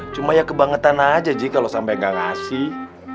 cuma ya kebangetan aja ji kalo sampe gak ngasih